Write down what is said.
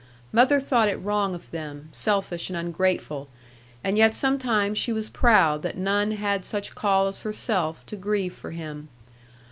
Mother thought it wrong of them, selfish and ungrateful; and yet sometimes she was proud that none had such call as herself to grieve for him.